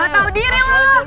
gak tau diri lo